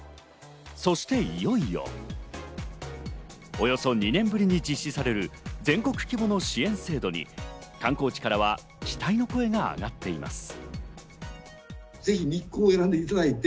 そしていよいよ、およそ２年ぶりに実施される全国規模の支援制度に観光地からは期待の声が上がっています。